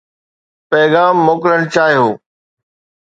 پيغام موڪلڻ چاهيو